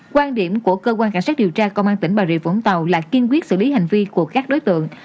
quan điểm của cơ quan cảnh sát điều tra công an tỉnh bà rịa vũng tàu là kiên quyết xử lý hành vi của các đối tượng